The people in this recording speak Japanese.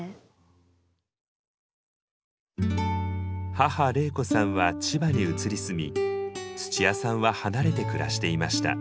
母玲子さんは千葉に移り住みつちやさんは離れて暮らしていました。